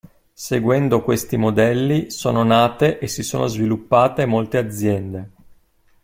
Seguendo questi modelli sono nate e si sono sviluppate molte aziende.